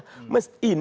ini yang diinginkan